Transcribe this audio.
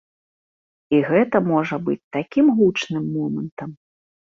І гэта можа быць такім гучным момантам.